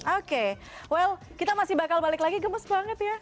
oke well kita masih bakal balik lagi gemes banget ya